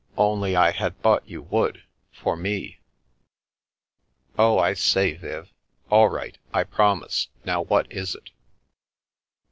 Only I had thought you would, for me." " Oh, I say, Viv ! All right 1 I promise. Now, what is it?"